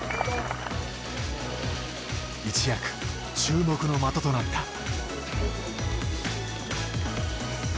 一躍、注目の的となった。